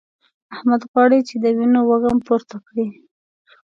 احمد غواړي چې د وينو وږم پورته کړي.